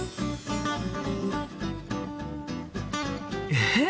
えっ！